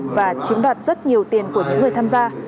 thúy đã chiếm đoạt rất nhiều tiền của những người tham gia